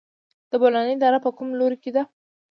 د بولان دره په کوم لوري کې ده؟